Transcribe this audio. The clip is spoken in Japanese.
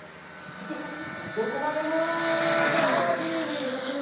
「どこまでも限りなく」